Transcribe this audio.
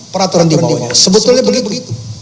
peraturan di bawahnya sebetulnya begitu